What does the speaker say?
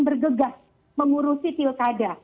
bergegas mengurusi pilkada